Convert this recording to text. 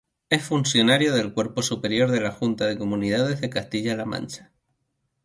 Es funcionario del cuerpo superior de la Junta de Comunidades de Castilla-La Mancha.